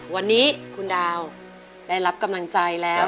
วันนี้คุณดาวได้รับกำลังใจแล้ว